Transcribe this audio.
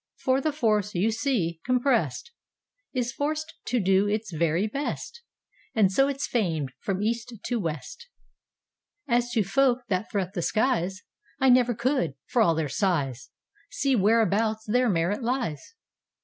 For the force, you see, compressed, Is forced to do its very best, And so it's famed from east to west. As to folk that threat the skies,I never could, for all their size, See whereabouts their merit lies.